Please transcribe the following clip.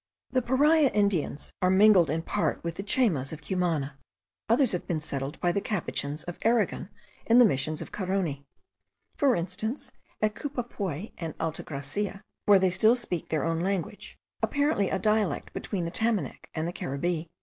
The Paria Indians are mingled in part with the Chaymas of Cumana; others have been settled by the Capuchins of Aragon in the Missions of Caroni; for instance, at Cupapuy and Alta Gracia, where they still speak their own language, apparently a dialect between the Tamanac and the Caribbee.